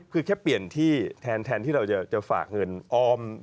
คือแค่เปลี่ยนที่แทนที่เราจะฝากเงินออม